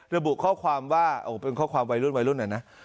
ระบุข้อความว่าเป็นข้อความวัยรุ่นวัยรุ่นน่ะนะ